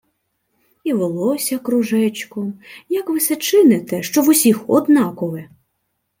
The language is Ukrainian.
— І волосся кружечком... Як ви се чините, що в усіх однакове!